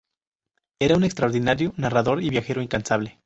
Era un extraordinario narrador y viajero incansable.